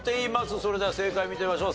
それでは正解見てみましょう。